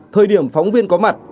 thời điểm phóng viên có mặt